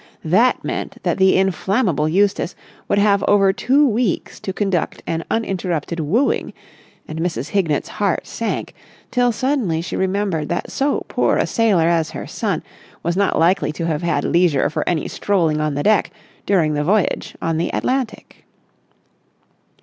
That meant that the inflammable Eustace would have over two weeks to conduct an uninterrupted wooing, and Mrs. Hignett's heart sank, till suddenly she remembered that so poor a sailor as her son was not likely to have had leisure for any strolling on the deck during the voyage on the "Atlantic."